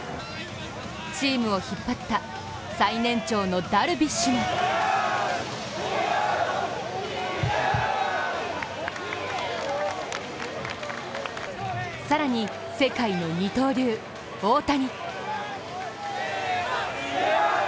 チームを引っ張った最年長のダルビッシュも更に、世界の二刀流・大谷。